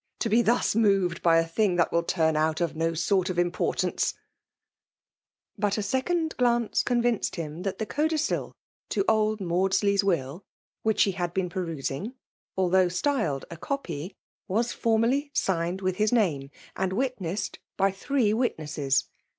To be thus moved by a thing that will turn out of no sort of importance !" But a second glance convinced him that the codicil to old Maudsley's will, which he had been jperusing, although styled a copy, was formally signed with his name, and witnessed by three witnesses.